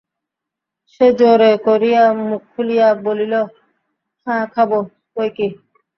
সে জোর করিয়া মুখ তুলিয়া বলিল, হাঁ খাব বৈকি।